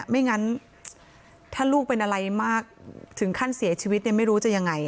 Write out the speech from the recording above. ไม่งั้นถ้าลูกเป็นอะไรมากถึงขั้นเสียชีวิตเนี่ยไม่รู้จะยังไง